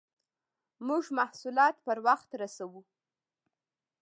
موږ محصولات پر وخت رسوو.